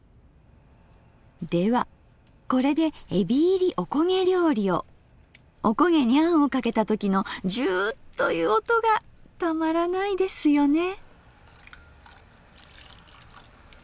ではこれでおこげにあんをかけた時のジュウという音がたまらないですよね。